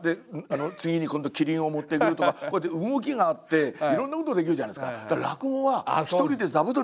次に今度はキリンを持ってくるとこうやって動きがあっていろんなことできるじゃないですか。